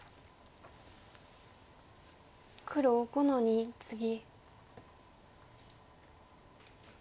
黒５の二ツギ。